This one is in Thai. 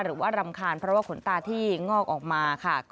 รำคาญเพราะว่าขนตาที่งอกออกมาค่ะ